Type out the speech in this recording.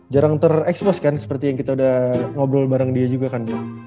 jarang terekspos kan seperti yang kita udah ngobrol bareng dia juga kan